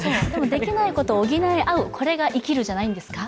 できないことを補うこれが令和じゃないですか。